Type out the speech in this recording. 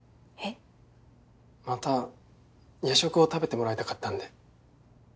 また夜食を食べてもらいたかったんで。